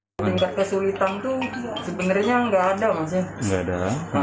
tingkat kesulitan itu sebenarnya tidak ada